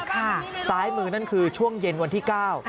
ค่ะซ้ายมือนั่นคือช่วงเย็นวันที่๙